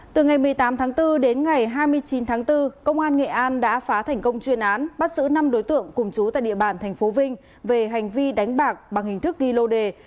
từ ngày một mươi tám tháng bốn đến ngày hai mươi chín tháng bốn công an nghệ an đã phá thành công chuyên án bắt giữ năm đối tượng cùng chú tại địa bàn tp vinh về hành vi đánh bạc bằng hình thức ghi lô đề